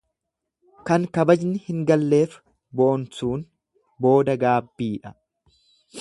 Kan kabajni hin galleef boonsuun booda gaabbiidha.